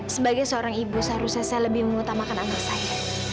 sebagai seorang ibu seharusnya saya lebih mengutamakan anak saya